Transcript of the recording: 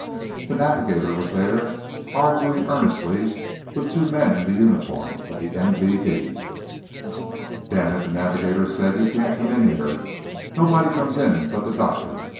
The navigator was there, arguing earnestly with two men in the uniform of the MVD. "Damn it," the navigator said, "you can't come in here. Nobody comes in but the doctor.